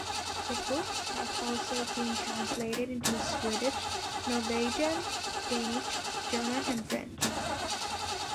The books have also been translated into Swedish, Norwegian, Danish, German, and French.